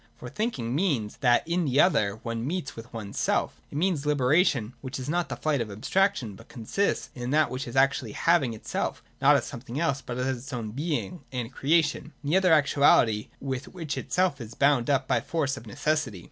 For thinking means that, in the other, one meets with one's self. — It means a liberation, which is not the flight of ab straction, but consists in that which is actual having itself not as something else, but as its own being and creation, in the other actuality with which it is bound up by the force of necessity.